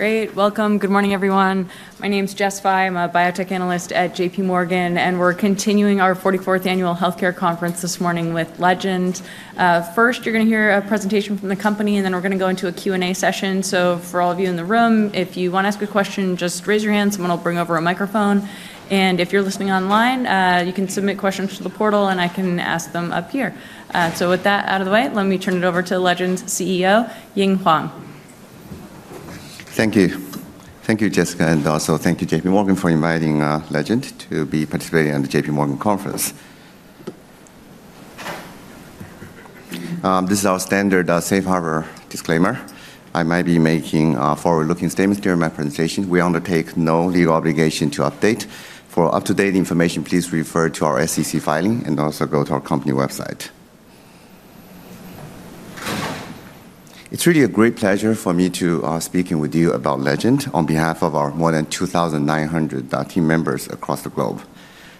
Great. Welcome. Good morning, everyone. My name's Jess Fye. I'm a biotech analyst at J.P. Morgan, and we're continuing our 44th annual healthcare conference this morning with Legend. First, you're going to hear a presentation from the company, and then we're going to go into a Q&A session. So for all of you in the room, if you want to ask a question, just raise your hand. Someone will bring over a microphone. And if you're listening online, you can submit questions to the portal, and I can ask them up here. So with that out of the way, let me turn it over to Legend's CEO, Ying Huang. Thank you. Thank you, Jessica, and also thank you, J.P. Morgan, for inviting Legend to be participating in the J.P. Morgan conference. This is our standard safe harbor disclaimer. I might be making forward-looking statements during my presentation. We undertake no legal obligation to update. For up-to-date information, please refer to our SEC filing and also go to our company website. It's really a great pleasure for me to speak with you about Legend on behalf of our more than 2,900 team members across the globe.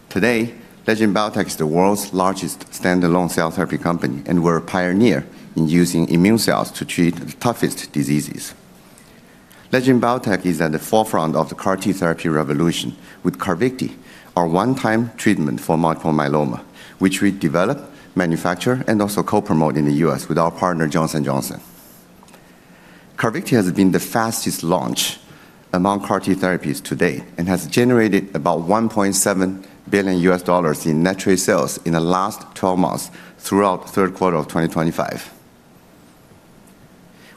Today, Legend Biotech is the world's largest standalone cell therapy company, and we're a pioneer in using immune cells to treat the toughest diseases. Legend Biotech is at the forefront of CAR-T therapy revolution with CARVYKTI, our one-time treatment for multiple myeloma, which we develop, manufacture, and also co-promote in the U.S. with our partner, Johnson & Johnson. CARVYKTI has been the fastest launch among CAR-T therapies today and has generated about $1.7 billion in net trade sales in the last 12 months throughout the third quarter of 2025.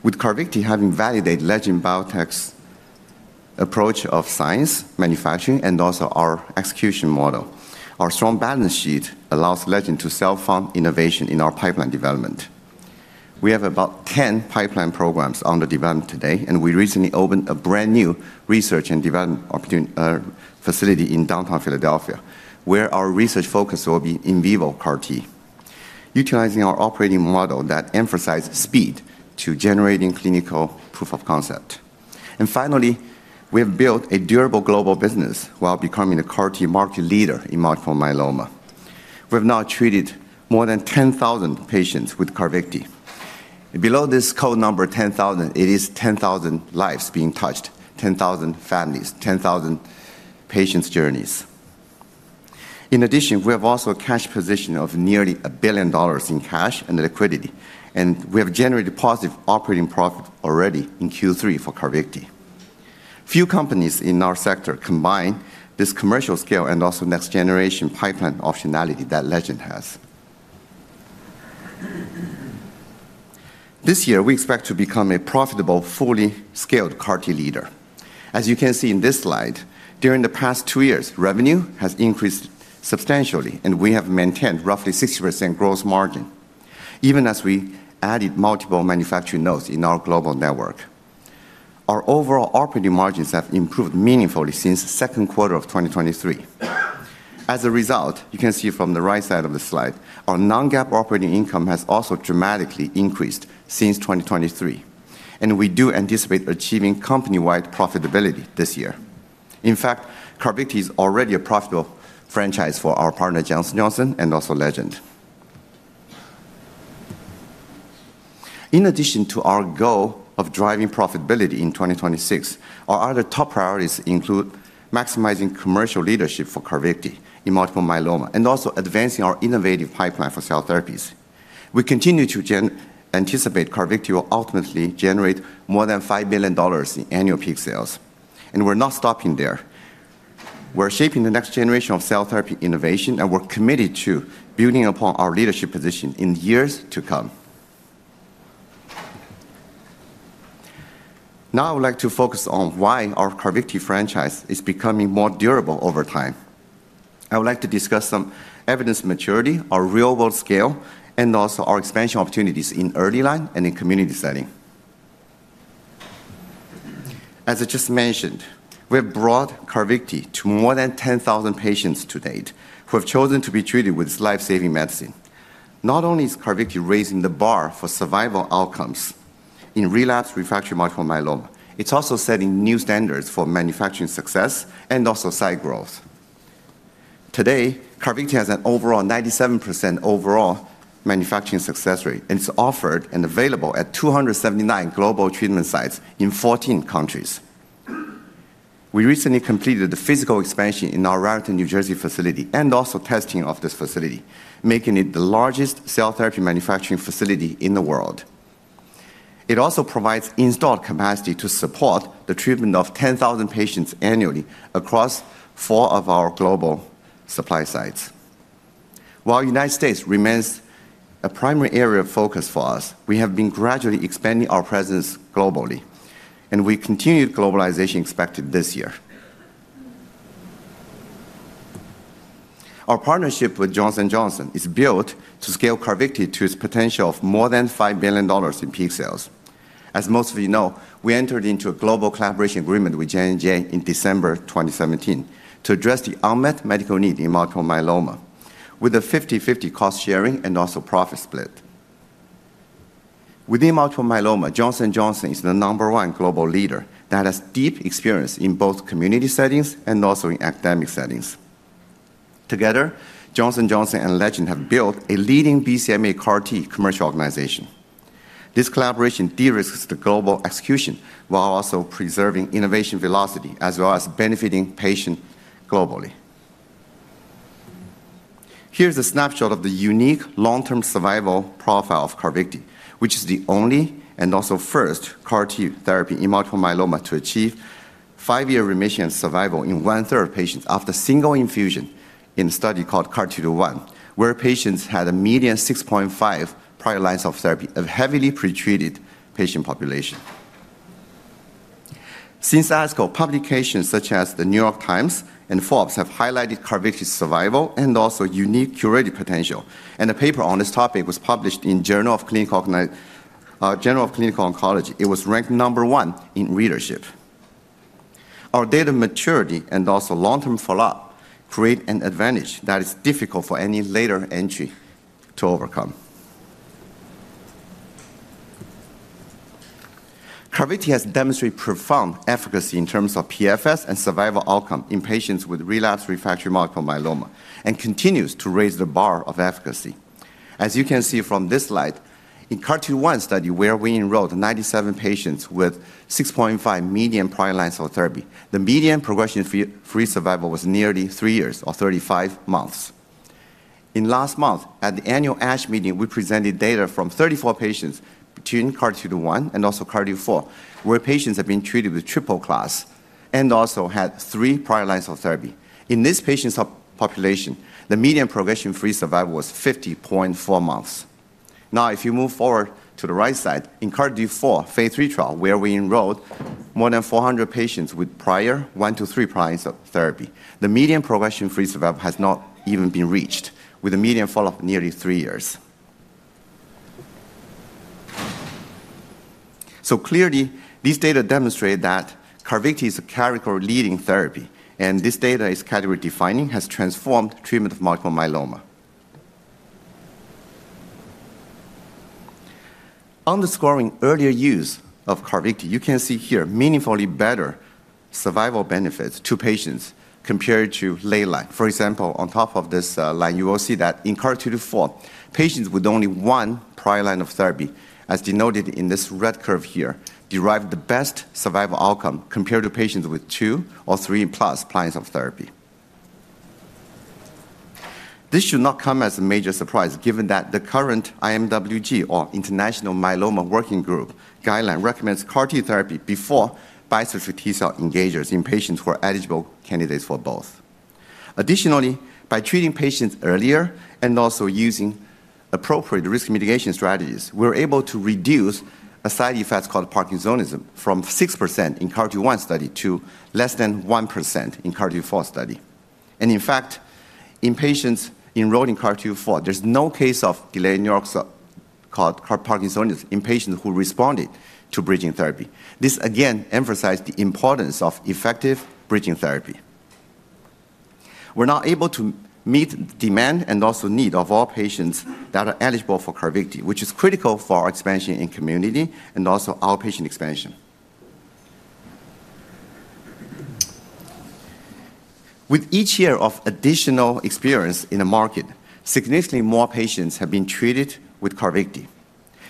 With CARVYKTI having validated Legend Biotech's approach of science, manufacturing, and also our execution model, our strong balance sheet allows Legend to self-fund innovation in our pipeline development. We have about 10 pipeline programs under development today, and we recently opened a brand new research and development facility in downtown Philadelphia, where our research focus will be in CAR-T, utilizing our operating model that emphasizes speed to generating clinical proof of concept, and finally, we have built a durable global business while becoming the CAR-T market leader in multiple myeloma. We have now treated more than 10,000 patients with CARVYKTI. Below this goal number 10,000, it is 10,000 lives being touched, 10,000 families, 10,000 patients' journeys. In addition, we have also a cash position of nearly $1 billion in cash and liquidity, and we have generated positive operating profit already in Q3 for CARVYKTI. Few companies in our sector combine this commercial scale and also next-generation pipeline optionality that Legend has. This year, we expect to become a profitable, fully scaled CAR-T leader. As you can see in this slide, during the past two years, revenue has increased substantially, and we have maintained roughly 60% gross margin, even as we added multiple manufacturing nodes in our global network. Our overall operating margins have improved meaningfully since the second quarter of 2023. As a result, you can see from the right side of the slide, our non-GAAP operating income has also dramatically increased since 2023, and we do anticipate achieving company-wide profitability this year. In fact, CARVYKTI is already a profitable franchise for our partner, Johnson & Johnson, and also Legend. In addition to our goal of driving profitability in 2026, our other top priorities include maximizing commercial leadership for CARVYKTI in multiple myeloma and also advancing our innovative pipeline for cell therapies. We continue to anticipate CARVYKTI will ultimately generate more than $5 billion in annual peak sales. And we're not stopping there. We're shaping the next generation of cell therapy innovation, and we're committed to building upon our leadership position in years to come. Now, I would like to focus on why our CARVYKTI franchise is becoming more durable over time. I would like to discuss some evidence maturity, our real-world scale, and also our expansion opportunities in early line and in community setting. As I just mentioned, we have brought CARVYKTI to more than 10,000 patients to date who have chosen to be treated with life-saving medicine. Not only is CARVYKTI raising the bar for survival outcomes in relapsed refractory multiple myeloma, it's also setting new standards for manufacturing success and also site growth. Today, CARVYKTI has an overall 97% manufacturing success rate, and it's offered and available at 279 global treatment sites in 14 countries. We recently completed the physical expansion in our Raritan, New Jersey, facility and also testing of this facility, making it the largest cell therapy manufacturing facility in the world. It also provides installed capacity to support the treatment of 10,000 patients annually across four of our global supply sites. While the United States remains a primary area of focus for us, we have been gradually expanding our presence globally, and we continue globalization expected this year. Our partnership with Johnson & Johnson is built to scale CARVYKTI to its potential of more than $5 billion in peak sales. As most of you know, we entered into a global collaboration agreement with J&J in December 2017 to address the unmet medical need in multiple myeloma with a 50/50 cost sharing and also profit split. Within multiple myeloma, Johnson & Johnson is the number one global leader that has deep experience in both community settings and also in academic settings. Together, Johnson & Johnson and Legend have built a leading BCMA CAR-T commercial organization. This collaboration de-risks the global execution while also preserving innovation velocity as well as benefiting patients globally. Here's a snapshot of the unique long-term survival profile of CARVYKTI, which is the only and also first CAR-T therapy in multiple myeloma to achieve five-year remission survival in one-third patients after single infusion in a study called CARTITUDE-1, where patients had a median 6.5 prior lines of therapy of heavily pretreated patient population. Since ASCO, publications such as The New York Times and Forbes have highlighted CARVYKTI's survival and also unique curative potential, and a paper on this topic was published in the Journal of Clinical Oncology. It was ranked number one in readership. Our data maturity and also long-term follow-up create an advantage that is difficult for any later entry to overcome. CARVYKTI has demonstrated profound efficacy in terms of PFS and survival outcome in patients with relapsed refractory multiple myeloma and continues to raise the bar of efficacy. As you can see from this slide, in CARTITUDE-1 study where we enrolled 97 patients with 6.5 median prior lines of therapy, the median progression-free survival was nearly three years or 35 months. In last month, at the annual ASH meeting, we presented data from 34 patients between CARTITUDE-2 and also CARTITUDE-4, where patients have been treated with triple class and also had three prior lines of therapy. In this patient population, the median progression-free survival was 50.4 months. Now, if you move forward to the right side in CARTITUDE-4 phase III trial where we enrolled more than 400 patients with prior one to three prior lines of therapy, the median progression-free survival has not even been reached with a median follow-up of nearly three years. So clearly, these data demonstrate that CARVYKTI is a category-leading therapy, and this data is category-defining and has transformed treatment of multiple myeloma. Underscoring earlier use of CARVYKTI, you can see here meaningfully better survival benefits to patients compared to late line. For example, on top of this line, you will see that in CARTITUDE-4, patients with only one prior line of therapy, as denoted in this red curve here, derived the best survival outcome compared to patients with two or three plus prior lines of therapy. This should not come as a major surprise given that the current IMWG, or International Myeloma Working Group, guideline recommends CAR-T therapy before bispecific T cell engagers in patients who are eligible candidates for both. Additionally, by treating patients earlier and also using appropriate risk mitigation strategies, we were able to reduce a side effect called parkinsonism from 6% in CARTITUDE-1 study to less than 1% in CARTITUDE-4 study. In fact, in patients enrolled in CARTITUDE-4, there's no case of delayed-onset parkinsonism in patients who responded to bridging therapy. This again emphasized the importance of effective bridging therapy. We're now able to meet the demand and also need of all patients that are eligible for CARVYKTI, which is critical for our expansion in community and also outpatient expansion. With each year of additional experience in the market, significantly more patients have been treated with CARVYKTI.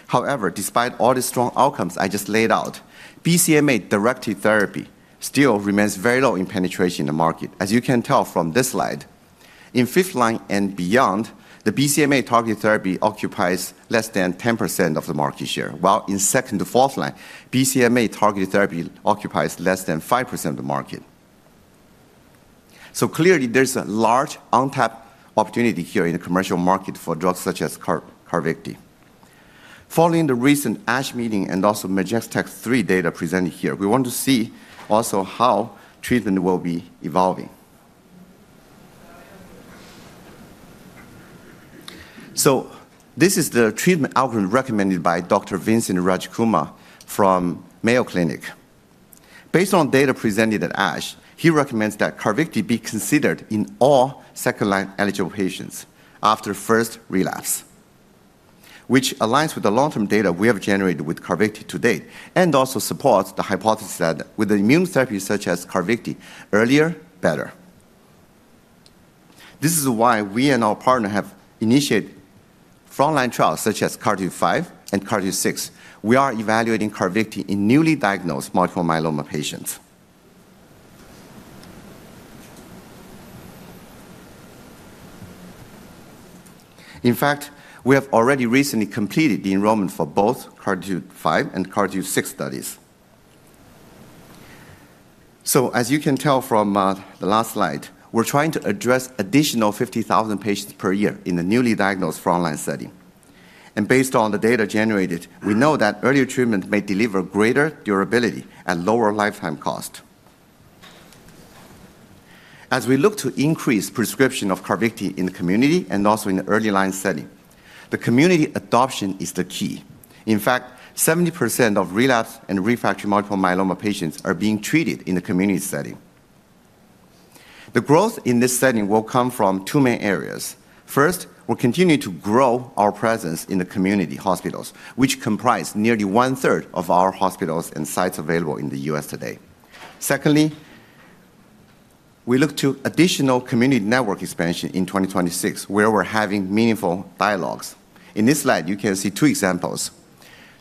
However, despite all the strong outcomes I just laid out, BCMA-directed therapy still remains very low in penetration in the market, as you can tell from this slide. In fifth line and beyond, the BCMA targeted therapy occupies less than 10% of the market share, while in second to fourth line, BCMA targeted therapy occupies less than 5% of the market. So clearly, there's a large untapped opportunity here in the commercial market for drugs such as CARVYKTI. Following the recent ASH meeting and also MajesTEC-3 data presented here, we want to see also how treatment will be evolving. So this is the treatment algorithm recommended by Dr. Vincent Rajkumar from Mayo Clinic. Based on data presented at ASH, he recommends that CARVYKTI be considered in all second-line eligible patients after first relapse, which aligns with the long-term data we have generated with CARVYKTI to date and also supports the hypothesis that with immune therapies such as CARVYKTI, earlier, better. This is why we and our partner have initiated frontline trials such as CARTITUDE-5 and CARTITUDE-6. We are evaluating CARVYKTI in newly diagnosed multiple myeloma patients. In fact, we have already recently completed the enrollment for both CARTITUDE-5 and CARTITUDE-6 studies. So as you can tell from the last slide, we're trying to address additional 50,000 patients per year in the newly diagnosed frontline setting. And based on the data generated, we know that earlier treatment may deliver greater durability at lower lifetime cost. As we look to increase prescription of CARVYKTI in the community and also in the early line setting, the community adoption is the key. In fact, 70% of relapsed and refractory multiple myeloma patients are being treated in the community setting. The growth in this setting will come from two main areas. First, we'll continue to grow our presence in the community hospitals, which comprise nearly one-third of our hospitals and sites available in the U.S. today. Secondly, we look to additional community network expansion in 2026, where we're having meaningful dialogues. In this slide, you can see two examples.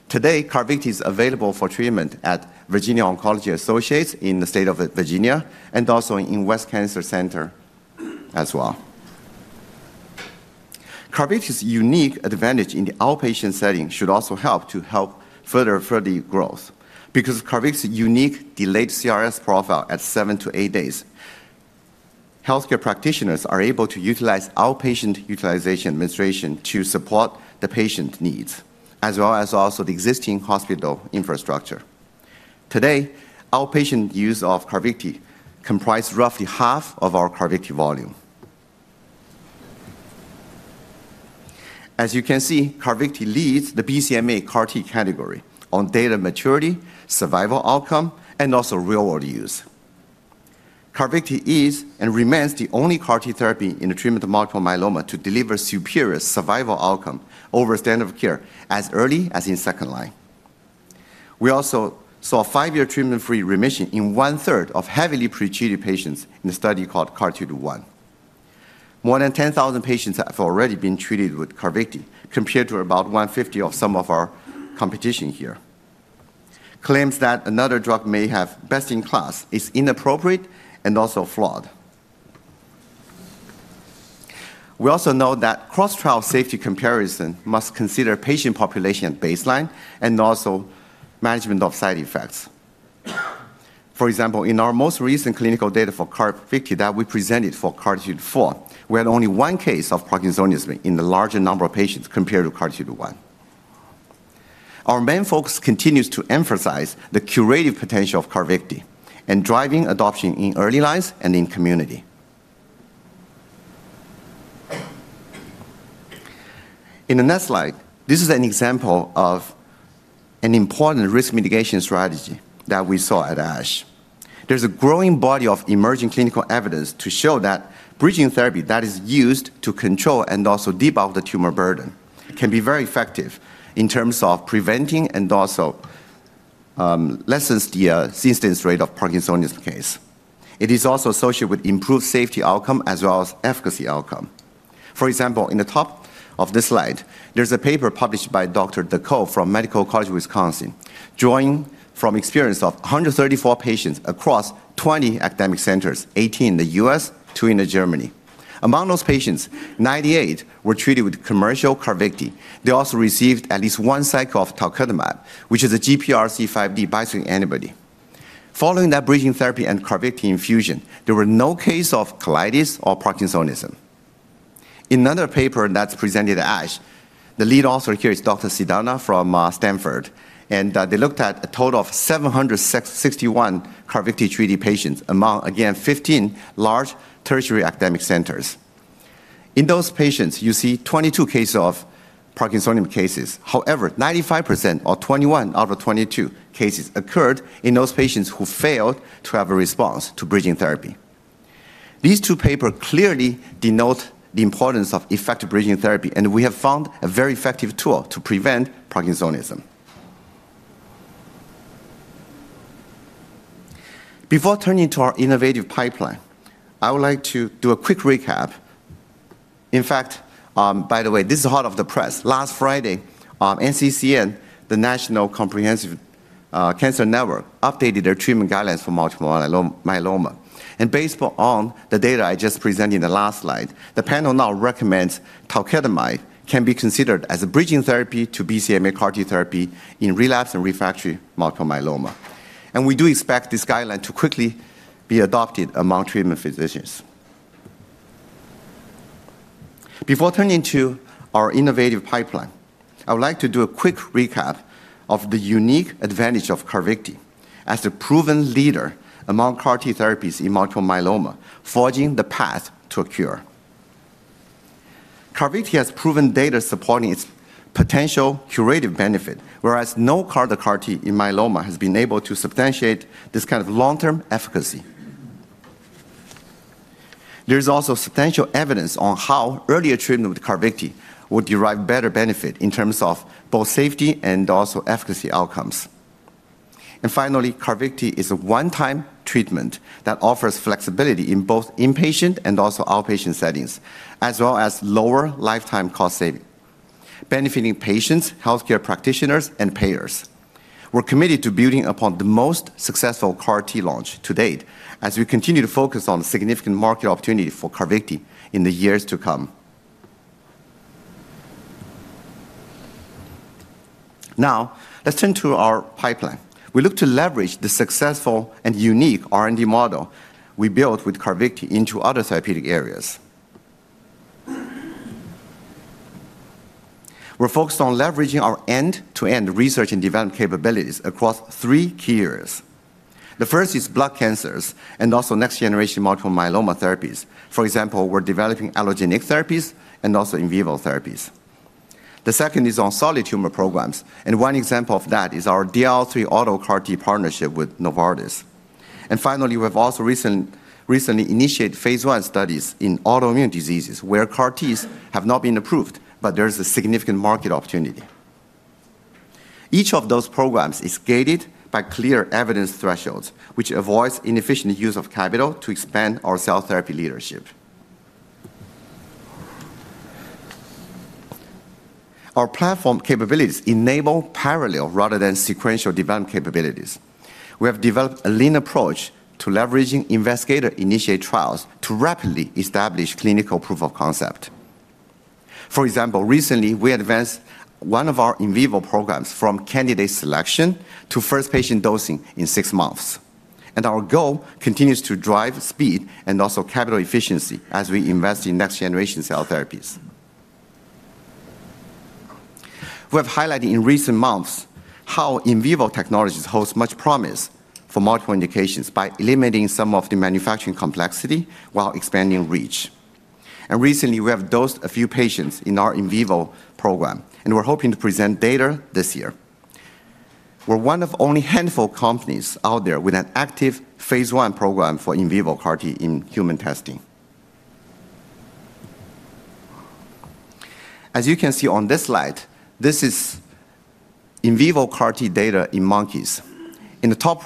Today, CARVYKTI is available for treatment at Virginia Oncology Associates in the state of Virginia and also in West Cancer Center as well. CARVYKTI's unique advantage in the outpatient setting should also help to further the growth because of CARVYKTI's unique delayed CRS profile at seven to eight days. Healthcare practitioners are able to utilize outpatient utilization administration to support the patient needs, as well as the existing hospital infrastructure. Today, outpatient use of CARVYKTI comprises roughly half of our CARVYKTI volume. As you can see, CARVYKTI leads the BCMA CAR-T category on data maturity, survival outcome, and also real-world use. CARVYKTI is and remains the only CAR-T therapy in the treatment of multiple myeloma to deliver superior survival outcome over standard of care as early as in second line. We also saw five-year treatment-free remission in one-third of heavily pretreated patients in a study called CARTITUDE-1. More than 10,000 patients have already been treated with CARVYKTI compared to about 150 of some of our competition here. Claims that another drug may have best in class is inappropriate and also flawed. We also know that cross-trial safety comparison must consider patient population at baseline and also management of side effects. For example, in our most recent clinical data for CARVYKTI that we presented for CARTITUDE-4, we had only one case of parkinsonism in the larger number of patients compared to CARTITUDE-1. Our main focus continues to emphasize the curative potential of CARVYKTI and driving adoption in early lines and in community. In the next slide, this is an example of an important risk mitigation strategy that we saw at ASH. There's a growing body of emerging clinical evidence to show that bridging therapy that is used to control and also debulk the tumor burden can be very effective in terms of preventing and also lessens the incidence rate of parkinsonism case. It is also associated with improved safety outcome as well as efficacy outcome. For example, in the top of this slide, there's a paper published by Dr. Dhakal from Medical College of Wisconsin, drawing from experience of 134 patients across 20 academic centers, 18 in the U.S., 2 in Germany. Among those patients, 98 were treated with commercial CARVYKTI. They also received at least one cycle of Talvey, which is a GPRC5D bispecific antibody. Following that bridging therapy and CARVYKTI infusion, there were no cases of colitis or parkinsonism. In another paper that's presented at ASH, the lead author here is Dr. Sidana from Stanford, and they looked at a total of 761 CARVYKTI treated patients among, again, 15 large tertiary academic centers. In those patients, you see 22 cases of parkinsonism cases. However, 95% or 21 out of 22 cases occurred in those patients who failed to have a response to bridging therapy. These two papers clearly denote the importance of effective bridging therapy, and we have found a very effective tool to prevent parkinsonism. Before turning to our innovative pipeline, I would like to do a quick recap. In fact, by the way, this is hot off the press. Last Friday, NCCN, the National Comprehensive Cancer Network, updated their treatment guidelines for multiple myeloma, and based on the data I just presented in the last slide, the panel now recommends Talvey can be considered as a bridging therapy to BCMA CAR-T therapy in relapsed and refractory multiple myeloma, and we do expect this guideline to quickly be adopted among treatment physicians. Before turning to our innovative pipeline, I would like to do a quick recap of the unique advantage of CARVYKTI as the proven leader among CAR-T therapies in multiple myeloma, forging the path to a cure. CARVYKTI has proven data supporting its potential curative benefit, whereas no other CAR-T in myeloma has been able to substantiate this kind of long-term efficacy. There is also substantial evidence on how earlier treatment with CARVYKTI will derive better benefit in terms of both safety and also efficacy outcomes. Finally, CARVYKTI is a one-time treatment that offers flexibility in both inpatient and also outpatient settings, as well as lower lifetime cost saving, benefiting patients, healthcare practitioners, and payers. We're committed to building upon the most successful CAR-T launch to date as we continue to focus on significant market opportunity for CARVYKTI in the years to come. Now, let's turn to our pipeline. We look to leverage the successful and unique R&D model we built with CARVYKTI into other therapeutic areas. We're focused on leveraging our end-to-end research and development capabilities across three key areas. The first is blood cancers and also next-generation multiple myeloma therapies. For example, we're developing allogeneic therapies and also in vivo therapies. The second is on solid tumor programs, and one example of that is our DLL3 autologous CAR-T partnership with Novartis. And finally, we've also recently initiated phase 1 studies in autoimmune diseases where CAR-Ts have not been approved, but there is a significant market opportunity. Each of those programs is gated by clear evidence thresholds, which avoids inefficient use of capital to expand our cell therapy leadership. Our platform capabilities enable parallel rather than sequential development capabilities. We have developed a lean approach to leveraging investigator-initiated trials to rapidly establish clinical proof of concept. For example, recently, we advanced one of our in vivo programs from candidate selection to first patient dosing in six months. Our goal continues to drive speed and also capital efficiency as we invest in next-generation cell therapies. We have highlighted in recent months how in vivo technologies hold much promise for multiple indications by eliminating some of the manufacturing complexity while expanding reach. Recently, we have dosed a few patients in our in vivo program, and we're hoping to present data this year. We're one of only a handful of companies out there with an active phase one program for in vivo CAR-T in human testing. As you can see on this slide, this is in vivo CAR-T data in monkeys. In the top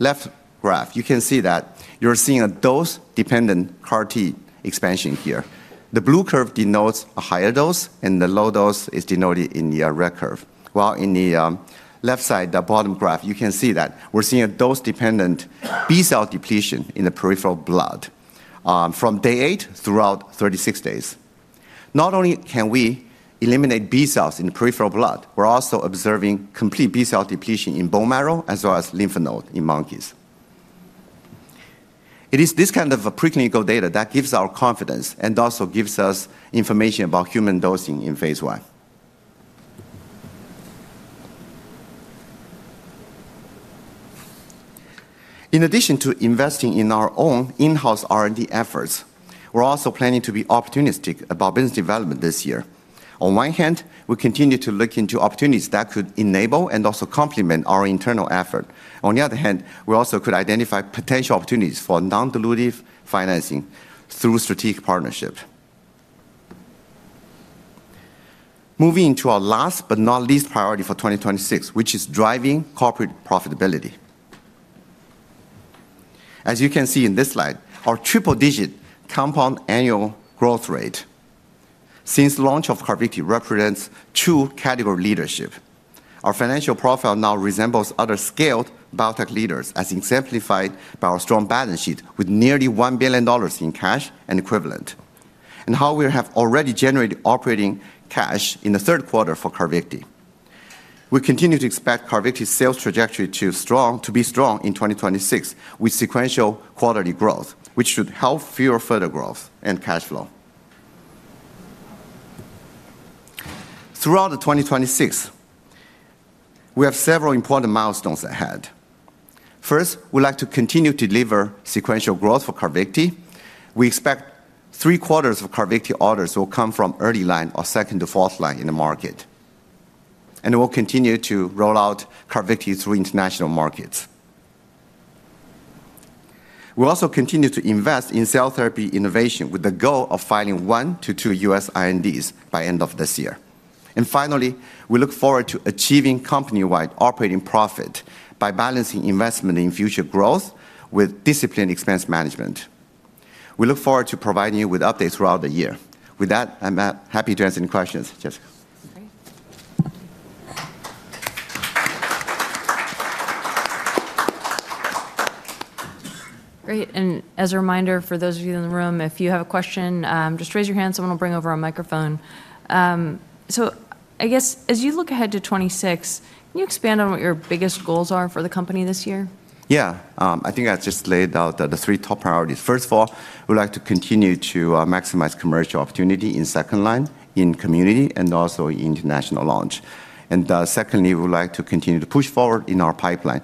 left graph, you can see that you're seeing a dose-dependent CAR-T expansion here. The blue curve denotes a higher dose, and the low dose is denoted in the red curve. While in the left side, the bottom graph, you can see that we're seeing a dose-dependent B cell depletion in the peripheral blood from day eight throughout 36 days. Not only can we eliminate B cells in the peripheral blood, we're also observing complete B cell depletion in bone marrow as well as lymph node in monkeys. It is this kind of preclinical data that gives our confidence and also gives us information about human dosing in phase one. In addition to investing in our own in-house R&D efforts, we're also planning to be opportunistic about business development this year. On one hand, we continue to look into opportunities that could enable and also complement our internal effort. On the other hand, we also could identify potential opportunities for non-dilutive financing through strategic partnership. Moving to our last but not least priority for 2026, which is driving corporate profitability. As you can see in this slide, our triple-digit compound annual growth rate since launch of CARVYKTI represents true category leadership. Our financial profile now resembles other scaled biotech leaders, as exemplified by our strong balance sheet with nearly $1 billion in cash and equivalents, and how we have already generated operating cash in the third quarter for CARVYKTI. We continue to expect CARVYKTI's sales trajectory to be strong in 2026 with sequential quality growth, which should help fuel further growth and cash flow. Throughout 2026, we have several important milestones ahead. First, we'd like to continue to deliver sequential growth for CARVYKTI. We expect three-quarters of CARVYKTI orders will come from early line or second to fourth line in the market, and we'll continue to roll out CARVYKTI through international markets. We also continue to invest in cell therapy innovation with the goal of filing one to two U.S. INDs by the end of this year, and finally, we look forward to achieving company-wide operating profit by balancing investment in future growth with disciplined expense management. We look forward to providing you with updates throughout the year. With that, I'm happy to answer any questions, Jess. Great, and as a reminder for those of you in the room, if you have a question, just raise your hand. Someone will bring over a microphone, so I guess, as you look ahead to 2026, can you expand on what your biggest goals are for the company this year? Yeah, I think I just laid out the three top priorities. First of all, we'd like to continue to maximize commercial opportunity in second line in community and also in international launch. Secondly, we'd like to continue to push forward in our pipeline.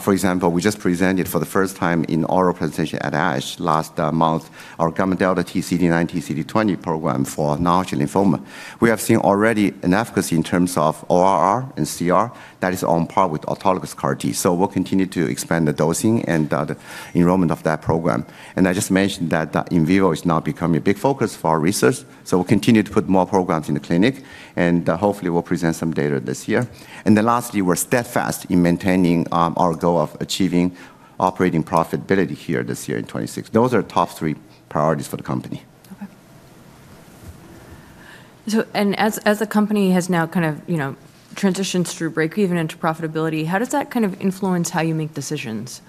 For example, we just presented for the first time in our presentation at ASH last month our gamma delta anti-CD19, anti-CD20 program for non-Hodgkin lymphoma. We have seen already an efficacy in terms of ORR and CR that is on par with autologous CAR-T. So we'll continue to expand the dosing and the enrollment of that program. And I just mentioned that in vivo is now becoming a big focus for our research. So we'll continue to put more programs in the clinic, and hopefully, we'll present some data this year. And then lastly, we're steadfast in maintaining our goal of achieving operating profitability here this year in 2026. Those are top three priorities for the company. Okay. And as the company has now kind of transitioned through breakeven into profitability, how does that kind of influence how you make decisions?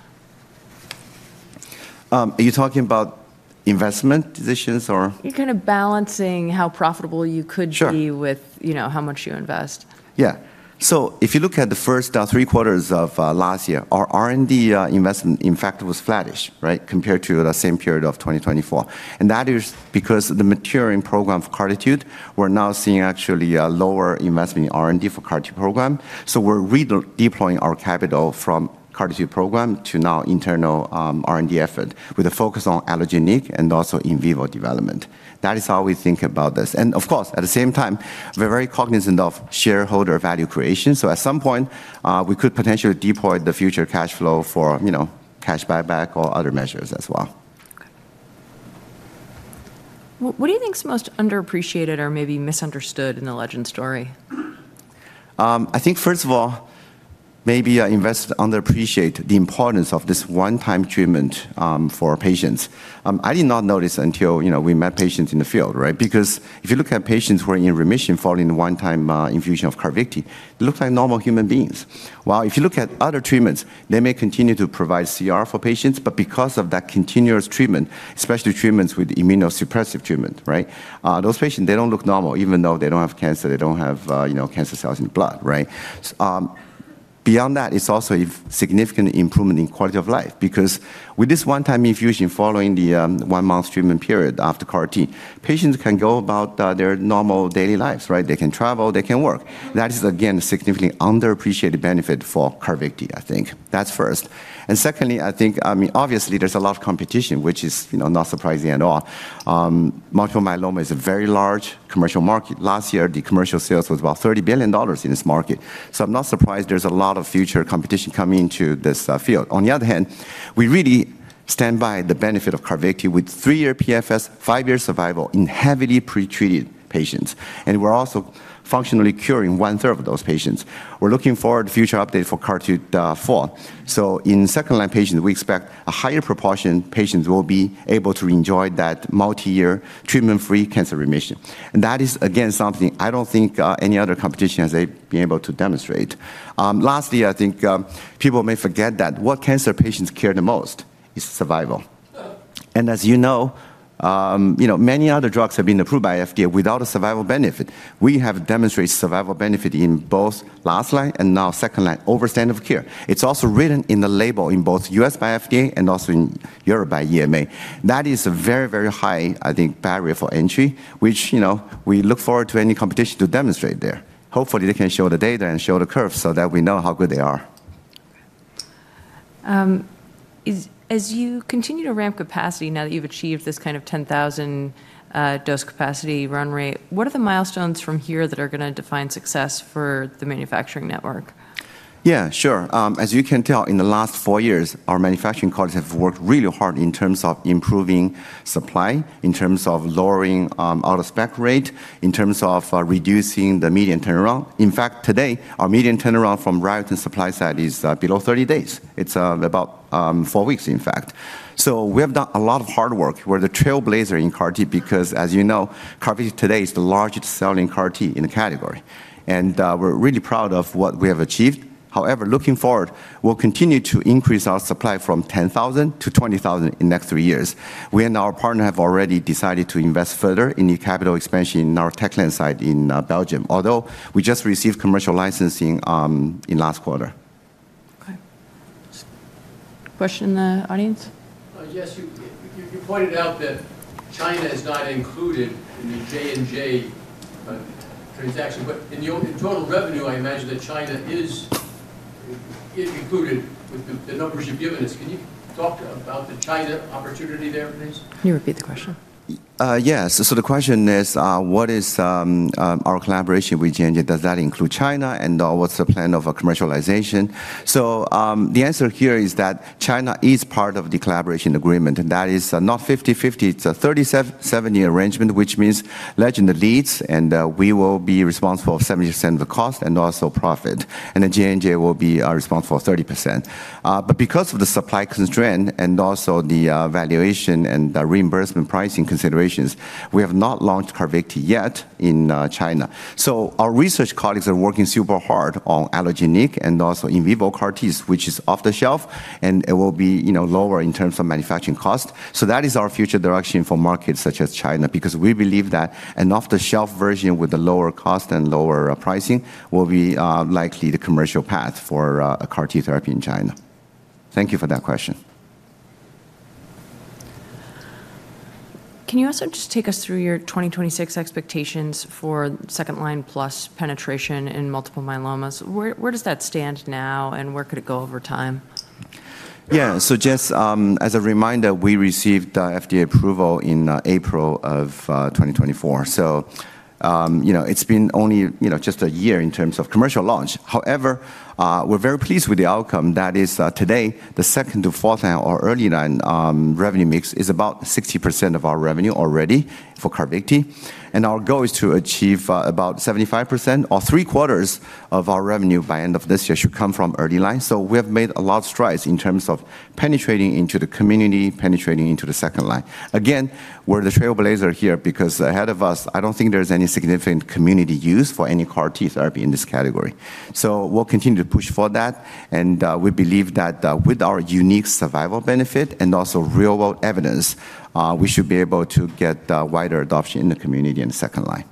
Are you talking about investment decisions or? You're kind of balancing how profitable you could be with how much you invest. Yeah. So if you look at the first three quarters of last year, our R&D investment, in fact, was flattish compared to the same period of 2024. And that is because the maturing program for CARTITUDE. We're now seeing actually a lower investment in R&D for CAR-T program. So we're redeploying our capital from CARTITUDE, too program to now internal R&D effort with a focus on allogeneic and also in vivo development. That is how we think about this. And of course, at the same time, we're very cognizant of shareholder value creation. So at some point, we could potentially deploy the future cash flow for cash buyback or other measures as well. Okay. What do you think is most underappreciated or maybe misunderstood in the Legend story? I think, first of all, maybe investors underappreciate the importance of this one-time treatment for patients. I did not notice until we met patients in the field, right? Because if you look at patients who are in remission following one-time infusion of CARVYKTI, they look like normal human beings. While if you look at other treatments, they may continue to provide CR for patients, but because of that continuous treatment, especially treatments with immunosuppressive treatment, right? Those patients, they don't look normal even though they don't have cancer, they don't have cancer cells in the blood, right? Beyond that, it's also a significant improvement in quality of life because with this one-time infusion following the one-month treatment period after CAR-T, patients can go about their normal daily lives, right? They can travel, they can work. That is, again, a significantly underappreciated benefit for CARVYKTI, I think. That's first. And secondly, I think, I mean, obviously, there's a lot of competition, which is not surprising at all. Multiple myeloma is a very large commercial market. Last year, the commercial sales was about $30 billion in this market. So I'm not surprised there's a lot of future competition coming into this field. On the other hand, we really stand by the benefit of CARVYKTI with three-year PFS, five-year survival in heavily pretreated patients. And we're also functionally curing one-third of those patients. We're looking forward to future updates for CARTITUDE-4. So in second-line patients, we expect a higher proportion of patients will be able to enjoy that multi-year treatment-free cancer remission. And that is, again, something I don't think any other competition has been able to demonstrate. Lastly, I think people may forget that what cancer patients care the most is survival. And as you know, many other drugs have been approved by FDA without a survival benefit. We have demonstrated survival benefit in both last line and now second line standard of care. It's also written in the label in both U.S. by FDA and also in Europe by EMA. That is a very, very high, I think, barrier for entry, which we look forward to any competition to demonstrate there. Hopefully, they can show the data and show the curve so that we know how good they are. As you continue to ramp capacity, now that you've achieved this kind of 10,000 dose capacity run rate, what are the milestones from here that are going to define success for the manufacturing network? Yeah, sure. As you can tell, in the last four years, our manufacturing colleagues have worked really hard in terms of improving supply, in terms of lowering out-of-spec rate, in terms of reducing the median turnaround. In fact, today, our median turnaround from vein-to-vein and supply side is below 30 days. It's about four weeks, in fact. So we have done a lot of hard work. We're the trailblazer in CAR-T because, as you know, CAR-T today is the largest selling CAR-T in the category. And we're really proud of what we have achieved. However, looking forward, we'll continue to increase our supply from 10,000 to 20,000 in the next three years. We and our partner have already decided to invest further in the capital expansion in our Tech Lane site in Belgium, although we just received commercial licensing in last quarter. Okay. Question in the audience? Yes, you pointed out that China is not included in the J&J transaction, but in total revenue, I imagine that China is included with the numbers you've given us. Can you talk about the China opportunity there, please? Can you repeat the question? Yes. So the question is, what is our collaboration with J&J? Does that include China? And what's the plan of commercialization? So the answer here is that China is part of the collaboration agreement. That is not 50-50. It's a 30-70 arrangement, which means Legend leads, and we will be responsible for 70% of the cost and also profit. And J&J will be responsible for 30%. But because of the supply constraint and also the valuation and reimbursement pricing considerations, we have not launched CARVYKTI yet in China. So our research colleagues are working super hard on allogeneic and also in vivo CAR-Ts, which is off the shelf, and it will be lower in terms of manufacturing cost. So that is our future direction for markets such as China because we believe that an off-the-shelf version with a lower cost and lower pricing will be likely the commercial path for CAR-T therapy in China. Thank you for that question. Can you also just take us through your 2026 expectations for second-line plus penetration in multiple myeloma? Where does that stand now, and where could it go over time? Yeah, so just as a reminder, we received FDA approval in April of 2024. So it's been only just a year in terms of commercial launch. However, we're very pleased with the outcome. That is, today, the second to fourth line or early line revenue mix is about 60% of our revenue already for CARVYKTI. And our goal is to achieve about 75% or three quarters of our revenue by the end of this year should come from early line. So we have made a lot of strides in terms of penetrating into the community, penetrating into the second line. Again, we're the trailblazer here because ahead of us, I don't think there's any significant community use for any CAR-T therapy in this category. So we'll continue to push for that. And we believe that with our unique survival benefit and also real-world evidence, we should be able to get wider adoption in the community in the second line.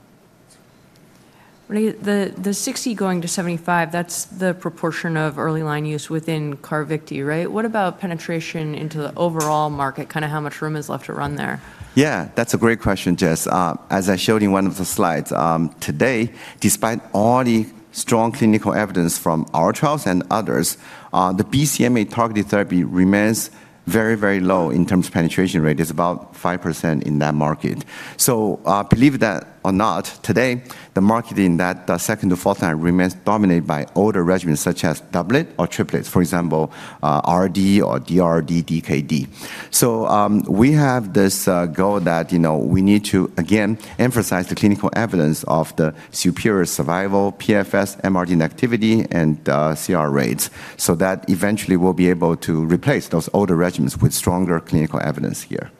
The 60 going to 75, that's the proportion of early line use within CARVYKTI, right? What about penetration into the overall market? Kind of how much room is left to run there? Yeah, that's a great question, Jess. As I showed in one of the slides, today, despite all the strong clinical evidence from our trials and others, the BCMA targeted therapy remains very, very low in terms of penetration rate. It's about 5% in that market. So, believe it or not, today, the market in that second to fourth line remains dominated by older regimens such as doublet or triplets, for example, RD or DRD, DKD. So we have this goal that we need to, again, emphasize the clinical evidence of the superior survival, PFS, MRD negativity, and CR rates so that eventually we'll be able to replace those older regimens with stronger clinical evidence here.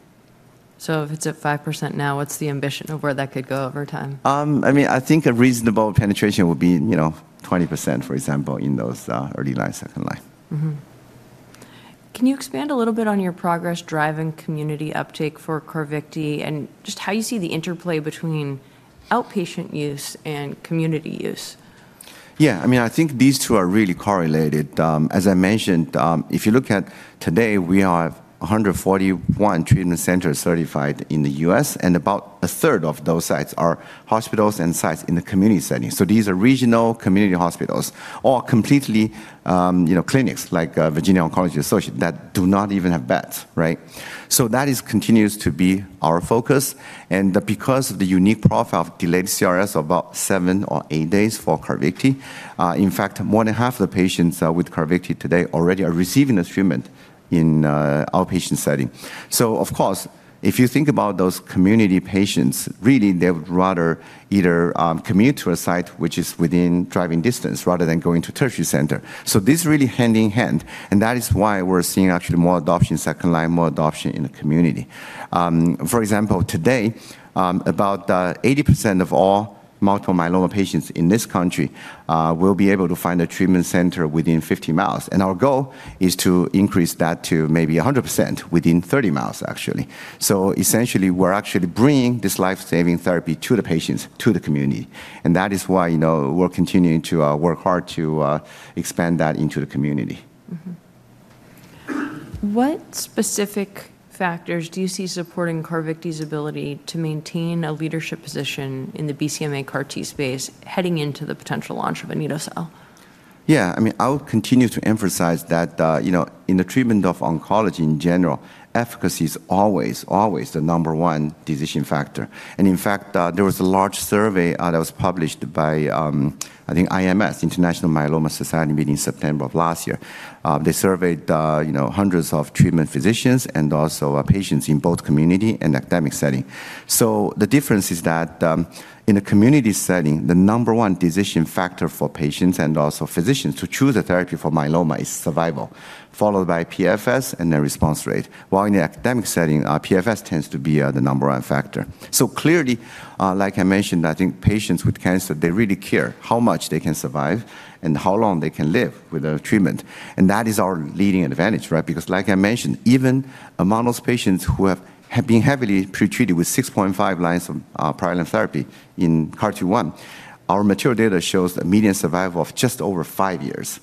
So if it's at 5% now, what's the ambition of where that could go over time? I mean, I think a reasonable penetration would be 20%, for example, in those early line, second line. Can you expand a little bit on your progress driving community uptake for CARVYKTI and just how you see the interplay between outpatient use and community use? Yeah, I mean, I think these two are really correlated. As I mentioned, if you look at today, we have 141 treatment centers certified in the U.S., and about a third of those sites are hospitals and sites in the community setting. So these are regional community hospitals or completely clinics like Virginia Oncology Associates that do not even have beds, right? So that continues to be our focus. Because of the unique profile of delayed CRS of about seven or eight days for CARVYKTI, in fact, more than half of the patients with CARVYKTI today already are receiving this treatment in an outpatient setting. Of course, if you think about those community patients, really, they would rather either commute to a site which is within driving distance rather than going to a tertiary center. This really hand in hand. That is why we're seeing actually more adoption in second line, more adoption in the community. For example, today, about 80% of all multiple myeloma patients in this country will be able to find a treatment center within 50 mi. Our goal is to increase that to maybe 100% within 30 mi, actually. Essentially, we're actually bringing this lifesaving therapy to the patients, to the community. That is why we're continuing to work hard to expand that into the community. What specific factors do you see supporting CARVYKTI's ability to maintain a leadership position in the BCMA CAR-T space heading into the potential launch of anito-cel? Yeah, I mean, I'll continue to emphasize that in the treatment of oncology in general, efficacy is always, always the number one decision factor. In fact, there was a large survey that was published by, I think, IMS, International Myeloma Society, meeting in September of last year. They surveyed hundreds of treatment physicians and also patients in both community and academic setting. The difference is that in the community setting, the number one decision factor for patients and also physicians to choose a therapy for myeloma is survival, followed by PFS and their response rate. While in the academic setting, PFS tends to be the number one factor. So clearly, like I mentioned, I think patients with cancer, they really care how much they can survive and how long they can live with the treatment, and that is our leading advantage, right? Because, like I mentioned, even among those patients who have been heavily pretreated with 6.5 lines of prior line therapy in CARTITUDE-1, our mature data shows a median survival of just over five years,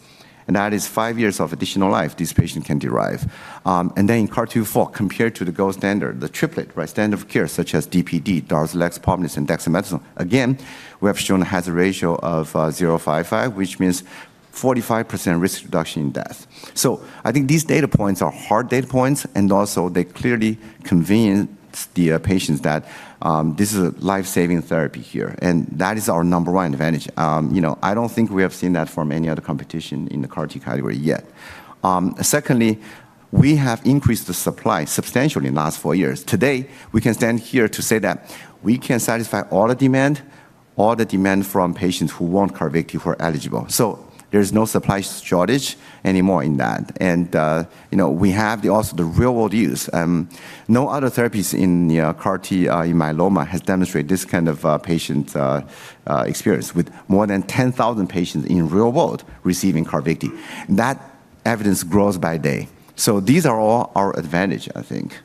and that is five years of additional life this patient can derive, and then in CARTITUDE-4, compared to the gold standard, the triplet, right, standard of care such as DPD, Darzalex, Pomalyst, and dexamethasone, again, we have shown a hazard ratio of 0.55, which means 45% risk reduction in death. I think these data points are hard data points, and also they clearly convince the patients that this is a lifesaving therapy here, and that is our number one advantage. I don't think we have seen that from any other competition in the CAR-T category yet. Secondly, we have increased the supply substantially in the last four years. Today, we can stand here to say that we can satisfy all the demand, all the demand from patients who want CARVYKTI who are eligible, so there is no supply shortage anymore in that, and we have also the real-world use. No other therapies in CAR-T in myeloma have demonstrated this kind of patient experience with more than 10,000 patients in real world receiving CARVYKTI. That evidence grows by day, so these are all our advantages, I think.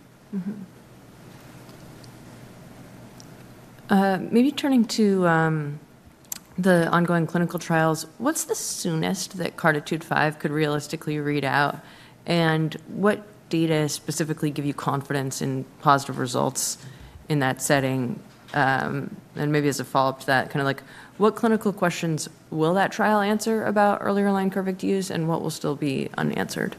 Maybe turning to the ongoing clinical trials, what's the soonest that CARTITUDE-5 could realistically read out? And what data specifically give you confidence in positive results in that setting? And maybe as a follow-up to that, kind of like what clinical questions will that trial answer about earlier line CARVYKTI use and what will still be unanswered?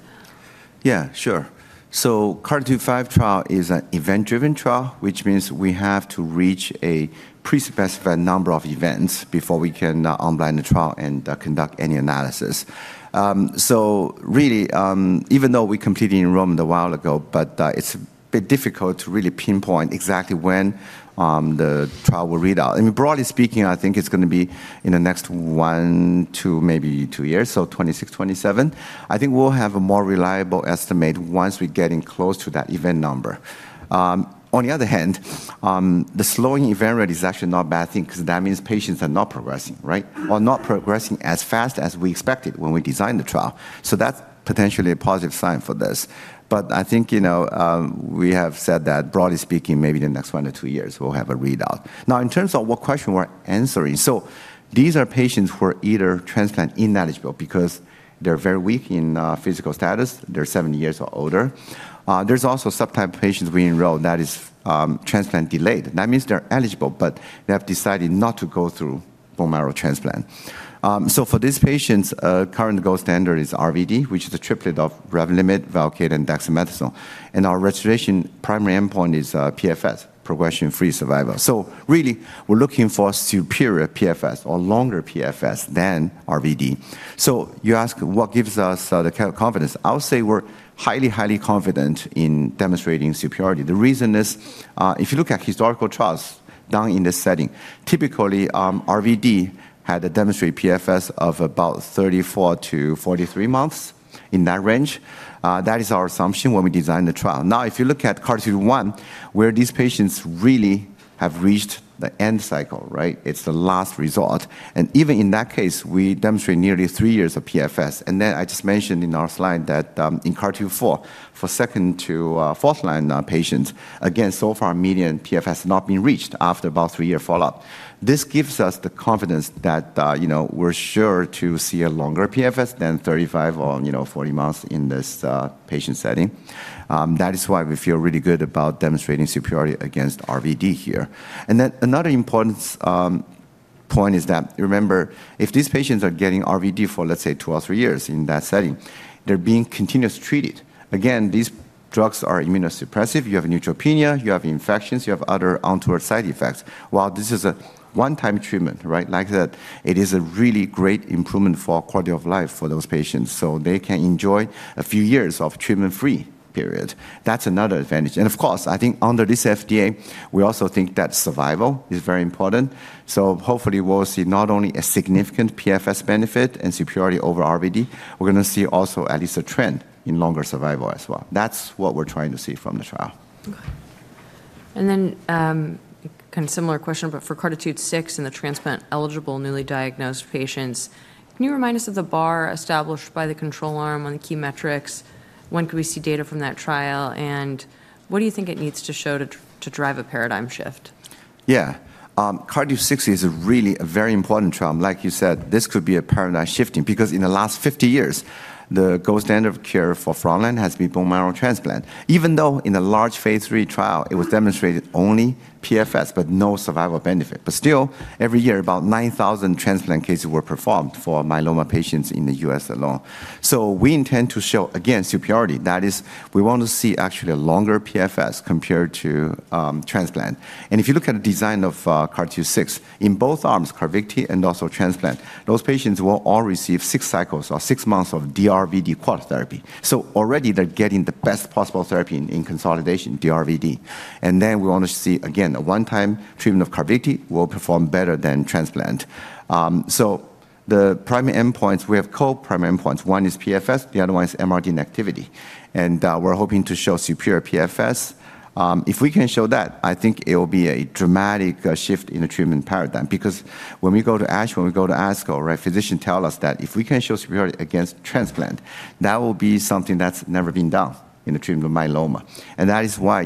Yeah, sure. So CARTITUDE-5 trial is an event-driven trial, which means we have to reach a pre-specified number of events before we can unblind the trial and conduct any analysis. So really, even though we completely enrolled a while ago, but it's a bit difficult to really pinpoint exactly when the trial will read out. I mean, broadly speaking, I think it's going to be in the next one to maybe two years, so 2026, 2027. I think we'll have a more reliable estimate once we get in close to that event number. On the other hand, the slowing event rate is actually not a bad thing because that means patients are not progressing, right? Or not progressing as fast as we expected when we designed the trial. So that's potentially a positive sign for this. But I think we have said that, broadly speaking, maybe in the next one or two years, we'll have a readout. Now, in terms of what question we're answering, so these are patients who are either transplant ineligible because they're very weak in physical status. They're 70 years or older. There's also subtype patients we enroll that is transplant delayed. That means they're eligible, but they have decided not to go through bone marrow transplant. So for these patients, current gold standard is RVD, which is a triplet of Revlimid, Velcade, and dexamethasone. And our registration primary endpoint is PFS, progression-free survival. So really, we're looking for superior PFS or longer PFS than RVD. So you ask what gives us the confidence. I'll say we're highly, highly confident in demonstrating superiority. The reason is, if you look at historical trials done in this setting, typically, RVD had a demonstrated PFS of about 34-43 months in that range. That is our assumption when we designed the trial. Now, if you look at CARTITUDE-1, where these patients really have reached the end cycle, right? It's the last resort. And even in that case, we demonstrate nearly three years of PFS. I just mentioned in our slide that in CARTITUDE-4 for second to fourth line patients, again, so far, median PFS has not been reached after about three years follow-up. This gives us the confidence that we're sure to see a longer PFS than 35 or 40 months in this patient setting. That is why we feel really good about demonstrating superiority against RVD here. Another important point is that, remember, if these patients are getting RVD for, let's say, two or three years in that setting, they're being continuously treated. Again, these drugs are immunosuppressive. You have neutropenia. You have infections. You have other untoward side effects. While this is a one-time treatment, right? Like I said, it is a really great improvement for quality of life for those patients. So they can enjoy a few years of treatment-free period. That's another advantage. Of course, I think under this FDA, we also think that survival is very important. So hopefully, we'll see not only a significant PFS benefit and superiority over RVD. We're going to see also at least a trend in longer survival as well. That's what we're trying to see from the trial. Okay. And then kind of similar question, but for CARTITUDE-6 and the transplant-eligible newly diagnosed patients, can you remind us of the bar established by the control arm on the key metrics? When could we see data from that trial? And what do you think it needs to show to drive a paradigm shift? Yeah, CARTITUDE-6 is really a very important trial. Like you said, this could be a paradigm shift because in the last 50 years, the gold standard of care for frontline has been bone marrow transplant. Even though in a large phase III trial, it was demonstrated only PFS, but no survival benefit, but still every year about 9,000 transplant cases were performed for myeloma patients in the U.S. alone, so we intend to show again superiority. That is, we want to see actually a longer PFS compared to transplant, and if you look at the design of CARTITUDE-6, in both arms, CARVYKTI and also transplant, those patients will all receive six cycles or six months of DRVD quad therapy, so already they're getting the best possible therapy in consolidation, DRVD, and then we want to see again a one-time treatment of CARVYKTI will perform better than transplant, so the primary endpoints, we have co-primary endpoints. One is PFS. The other one is MRD negativity, and we're hoping to show superior PFS. If we can show that, I think it will be a dramatic shift in the treatment paradigm because when we go to ASH, when we go to ASCO, right, physicians tell us that if we can show superiority against transplant, that will be something that's never been done in the treatment of myeloma. And that is why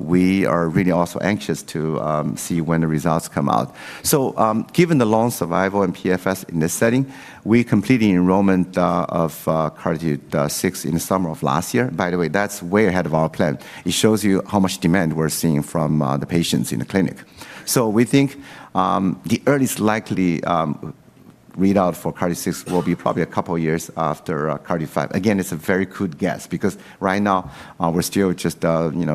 we are really also anxious to see when the results come out. So given the long survival and PFS in this setting, we completed enrollment of CARTITUDE-6 in the summer of last year. By the way, that's way ahead of our plan. It shows you how much demand we're seeing from the patients in the clinic. So we think the earliest likely readout for CARTITUDE-6 will be probably a couple of years after CARTITUDE-5. Again, it's a very crude guess because right now, we're still just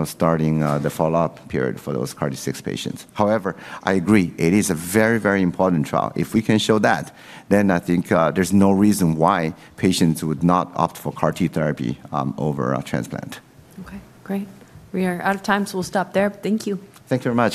starting the follow-up period for those CAR-T patients. However, I agree, it is a very, very important trial. If we can show that, then I think there's no reason why patients would not opt for CAR-T therapy over transplant. Okay, great. We are out of time, so we'll stop there. Thank you. Thank you very much.